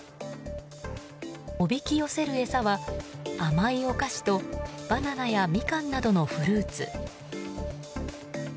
おびき寄せる餌は、甘いお菓子とバナナやミカンなどのフルーツ。